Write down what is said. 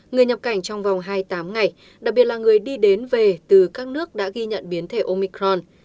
người nhập cảnh trong vòng hai mươi tám ngày đặc biệt là người đi đến về từ các nước đã ghi nhận biến thể omicron